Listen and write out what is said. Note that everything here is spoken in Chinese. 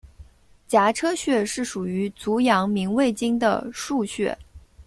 颊车穴是属于足阳明胃经的腧穴。